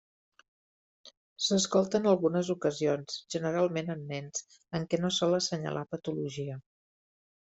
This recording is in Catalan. S'escolta en algunes ocasions, generalment en nens, en què no sol assenyalar patologia.